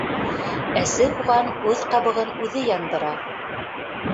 Әсе һуған үҙ ҡабығын үҙе яндыра.